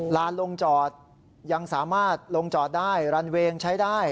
ลานลงจอดยังสามารถลงจอดได้รันเวงใช้ได้